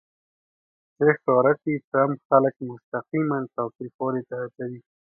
چې ښکاره کړي ټرمپ خلک مستقیماً تاوتریخوالي ته هڅوي